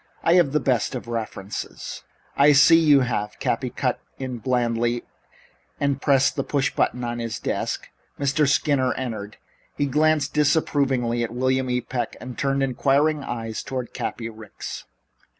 I have the best of references " "I see you have," Cappy cut in blandly, and pressed the push button on his desk. Mr. Skinner entered. He glanced disapprovingly at William E. Peck and then turned inquiring eyes toward Cappy Ricks.